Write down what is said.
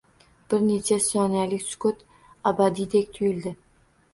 Bir necha soniyalik sukut abadiydek tuyuldi